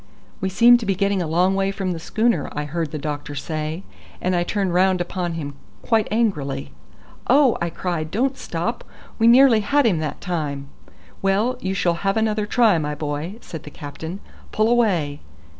"We seem to be getting a long way from the schooner," I heard the doctor say, and I turned round upon him quite angrily. "Oh!" I cried, "don't stop. We nearly had him that time." "Well, you shall have another try, my boy," said the captain. "Pull away."